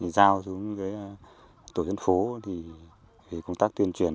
giao xuống tổ chức phố công tác tuyên truyền